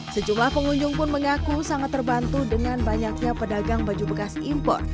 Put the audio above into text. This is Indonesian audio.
sejumlah pengunjung pun mengaku sangat terbantu dengan banyaknya pedagang baju bekas impor